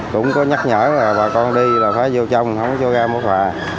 cũng có nhắc nhở là bà con đi là phải vô trong không có chỗ ra mở phà